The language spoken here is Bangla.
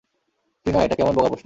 টিনা, এটা কেমন বোকা প্রশ্ন।